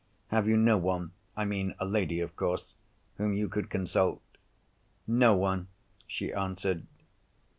Have you no one—I mean a lady, of course—whom you could consult?" "No one," she answered.